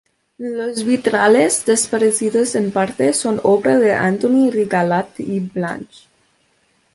Los vitrales, desaparecidos en parte, son obra de Antoni Rigalt i Blanch.